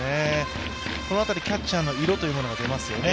この辺り、キャッチャーの色というものが出ますよね。